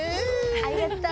ありがと！